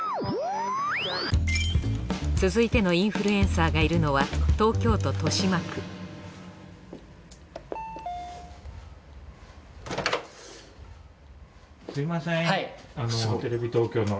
続いてのインフルエンサーがいるのはすみません。